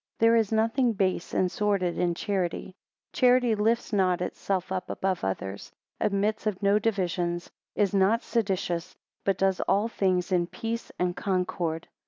5 There is nothing base and sordid in charity: charity lifts not itself up above others; admits of no divisions; is not seditious; but does all things in peace and concord.